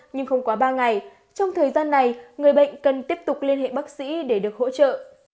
nhưng không quá ba ngày trong thời gian này người bệnh cần tiếp tục liên hệ bác sĩ để được hỗ trợ